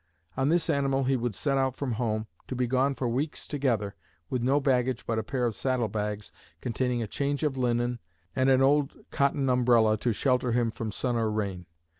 On this animal he would set out from home, to be gone for weeks together, with no baggage but a pair of saddle bags containing a change of linen, and an old cotton umbrella to shelter him from sun or rain.